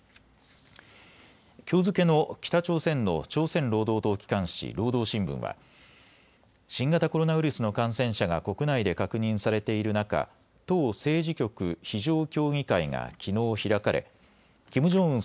きょう付けの北朝鮮の朝鮮労働党機関紙、労働新聞は新型コロナウイルスの感染者が国内で確認されている中、党政治局非常協議会がきのう開かれキム・ジョンウン